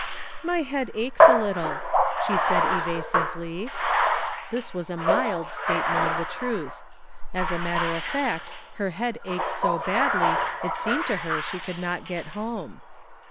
" My head aches a little," she said evasively. This was a mild statement of the truth ; as a matter of fact her head ached so badly it seemed to her she could not get home.